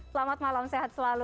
selamat malam sehat selalu